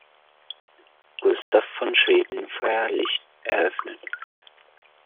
Gustaf von Schweden feierlich eröffnet.